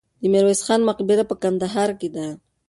د میرویس خان مقبره په کندهار کې ده.